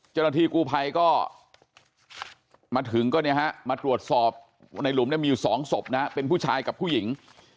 เจ้าหน้าที่กูภัยก็มาถึงมาตรวจสอบในหลุมมีอยู่๒ศพเป็นผู้ชายกับผู้หญิง